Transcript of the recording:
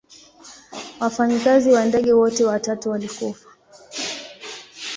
Wafanyikazi wa ndege wote watatu walikufa.